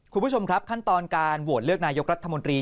คุณผู้ชมครับขั้นตอนการโหวตเลือกนายกรัฐมนตรี